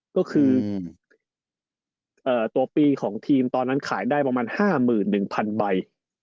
ก็คือตัวปีของทีมตอนนั้นขายได้ประมาณ๕๑๐๐๐ใบ